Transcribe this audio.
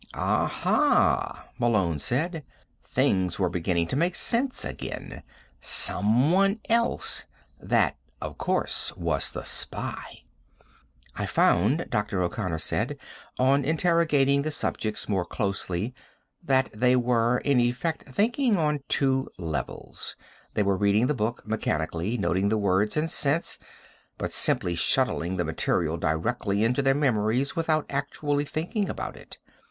"Aha," Malone said. Things were beginning to make sense again. Someone else. That, of course, was the spy. "I found," Dr. O'Connor said, "on interrogating the subjects more closely, that they were, in effect, thinking on two levels. They were reading the book mechanically, noting the words and sense, but simply shuttling the material directly into their memories without actually thinking about it.